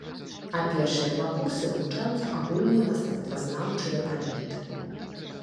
А першыя два курсы вывучаюцца агульныя мастацтвазнаўчыя прадметы.